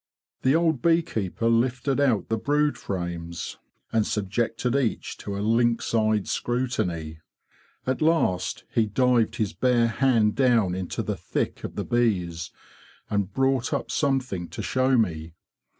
The old bee keeper lifted out the brood frames, and subjected each to a lynx eyed scrutiny. At last he dived his bare hand down into the thick of the bees, and brought up something to show me.